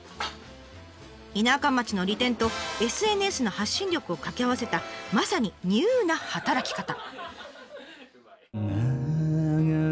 田舎町の利点とＳＮＳの発信力を掛け合わせたまさにニューな働き方。